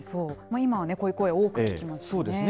今はこういう声、多く聞きますよね。